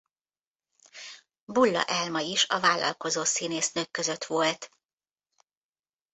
Bulla Elma is a vállalkozó színésznők között volt.